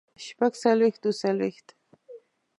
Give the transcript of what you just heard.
شپږ څلوېښت اووه څلوېښت